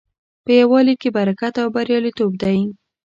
په یووالي کې برکت او بریالیتوب دی.